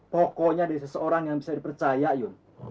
pokoknya dari seseorang yang bisa dipercaya yun